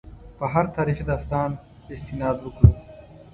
په هر تاریخي داستان استناد وکړو.